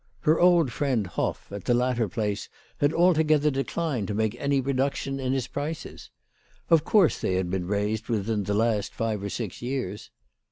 Her old friend Hoff, at the latter place, had altogether declined to make any reduction in his prices. Of course they had been raised within the last five or six years.